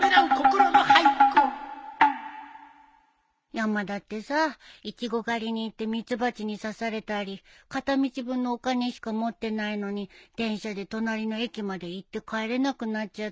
山田ってさイチゴ狩りに行ってミツバチに刺されたり片道分のお金しか持ってないのに電車で隣の駅まで行って帰れなくなっちゃったり。